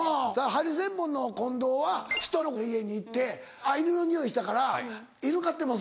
ハリセンボンの近藤は人の家に行って犬の匂いしたから「犬飼ってます？」